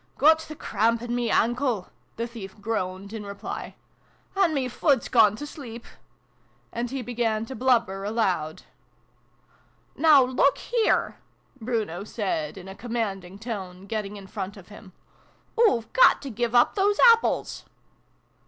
" Got the crahmp in me ahnkle !" the thief groaned in reply. " An' me fut's gone to sleep !" And he began to blubber aloud. " Now, look here !" Bruno said in a com manding tone, getting in front of him. " Oo've got to give up those apples